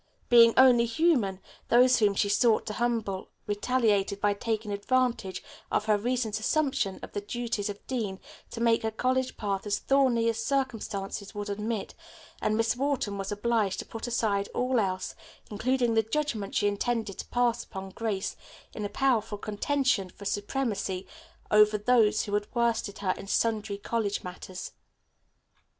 Being only human, those whom she sought to humble retaliated by taking advantage of her recent assumption of the duties of dean to make her college path as thorny as circumstances would admit, and Miss Wharton was obliged to put aside all else, including the judgment she intended to pass upon Grace, in a powerful contention for supremacy over those who had worsted her in sundry college matters.